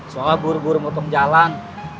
soalnya buru buru motong jalan